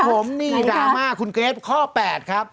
ผมนี่ดราม่าคุณเกรทข้อ๘ครับ